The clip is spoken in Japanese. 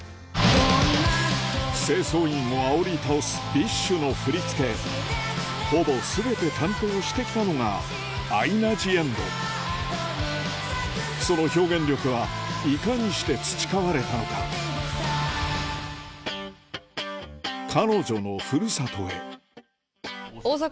清掃員をあおり倒すＢｉＳＨの振り付けほぼ全て担当して来たのがその表現力はいかにして培われたのか彼女の古里へ大阪！